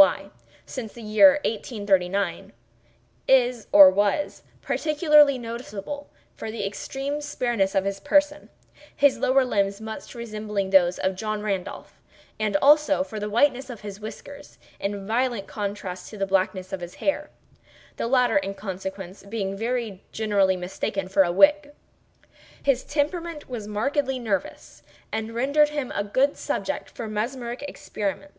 Y., since the year 1839, is (or was) particularly noticeable for the extreme spareness of his person—his lower limbs much resembling those of John Randolph; and, also, for the whiteness of his whiskers, in violent contrast to the blackness of his hair—the latter, in consequence, being very generally mistaken for a wig. His temperament was markedly nervous, and rendered him a good subject for mesmeric experiment.